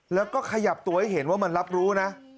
แล้วก็ขยับตัวให้เห็นว่ามันรับรู้นะ